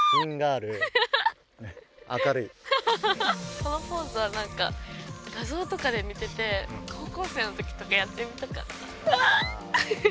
このポーズはなんか画像とかで見てて高校生の時とかやってみたかった。